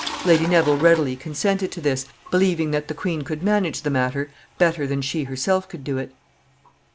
Lady Neville readily consented to this, believing that the queen could manage the matter better than she herself could do it. [Sidenote: Somerset.